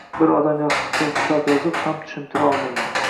bir odam yostiqday kitob yozib ham tushuntira olmagan